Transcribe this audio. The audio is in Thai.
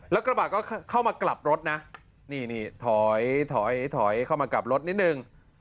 แล้วกระบะก็เข้ามากลับรถนะนี่นี่ถอยถอยเข้ามากลับรถนิดนึง